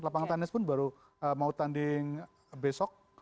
lapangan tenis pun baru mau tanding besok